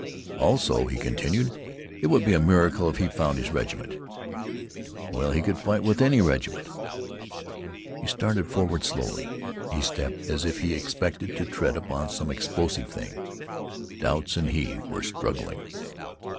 Also, he continued, it would be a miracle if he found his regiment. Well, he could fight with any regiment. He started forward slowly. He stepped as if he expected to tread upon some explosive thing. Doubts and he were struggling.